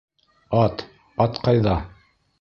Ат, ат ҡайҙа?